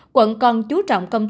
quận còn chú trọng phòng chống dịch